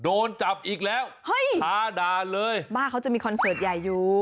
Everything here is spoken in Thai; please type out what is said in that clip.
โดนจับอีกแล้วเฮ้ยพาด่าเลยบ้านเขาจะมีคอนเสิร์ตใหญ่อยู่